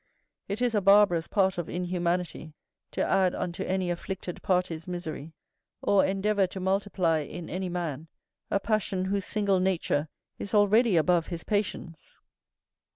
It is a barbarous part of inhumanity to add unto any afflicted parties misery, or endeavour to multiply in any man a passion whose single nature is already above his patience.